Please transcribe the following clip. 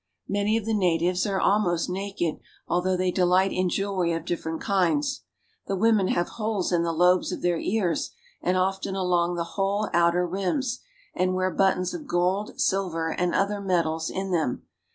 Many of the natives are almost naked, although they delight in jewelry of different kinds. The women have holes in the lobes of their ears and often along the whole outer rims, and wear buttons of gold, silver, and other metals in them.